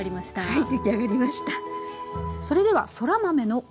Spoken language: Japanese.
はい。